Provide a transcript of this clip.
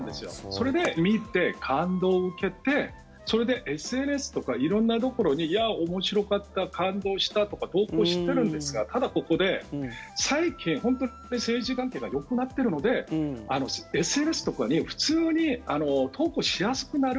それで、見て、感動を受けてＳＮＳとか色んなところに面白かった、感動したとか投稿してるんですがただ、ここで最近、政治関係がよくなってるのでＳＮＳとかに普通に投稿しやすくなる。